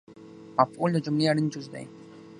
مفعول د جملې اړین جز دئ